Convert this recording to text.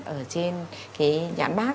ở trên cái nhãn map này